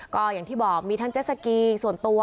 ก็อย่างที่บอกมีทั้งเจสสกีส่วนตัว